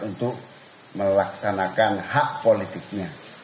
untuk melaksanakan hak politiknya